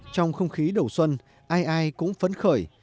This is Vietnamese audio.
trong không khí đầu xuân ai ai cũng phấn khởi